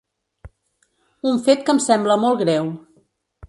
Un fet que em sembla molt greu.